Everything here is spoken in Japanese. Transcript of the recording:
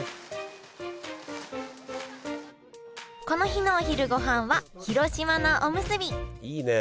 この日のお昼ごはんは広島菜おむすびいいね！